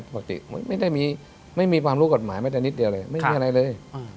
ปกติไม่มีความรู้กฎหมายแม้แต่นิดเดียวเลยไม่มีอะไรเลย